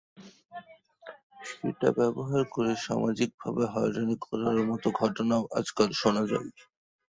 সেটা ব্যবহার করে সামাজিকভাবে হয়রানি করার মতো ঘটনাও আজকাল শোনা যায়।